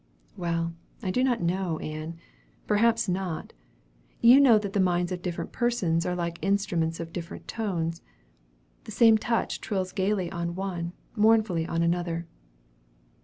"Well, I do not know, Ann. Perhaps not. You know that the minds of different persons are like instruments of different tones. The same touch thrills gaily on one, mournfully on another."